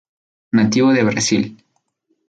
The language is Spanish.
Nativo de Brasil.